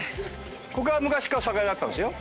ここは昔から酒屋だったんですよ。